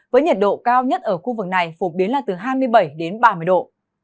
với nhiệt độ cao nhất ở khu vực này phổ biến là từ hai mươi bảy đến ba mươi độ